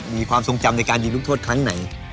มีความทรงจำในการยิงลูกโทษครั้งไหน